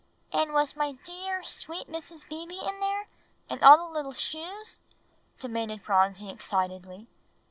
"And was my dear, sweet Mrs. Beebe in there, and all the little shoes?" demanded Phronsie excitedly.